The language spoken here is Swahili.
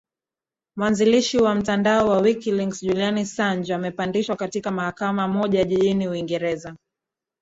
mwanzilishi wa mtandao wa wikileaks julian saanj amepandishwa katika mahakama moja jijini uingereza